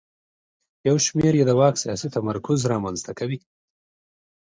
یو شمېر یې د واک سیاسي تمرکز رامنځته کوي.